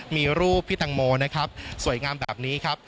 มีรูปพี่ตังโมนะครับสวยงามแบบนี้ครับ